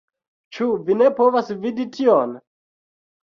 Ĉu vi ne povas vidi tion?!